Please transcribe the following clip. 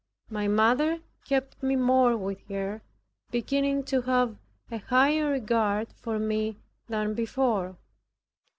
My mother kept me more with her, beginning to have a higher regard for me than before.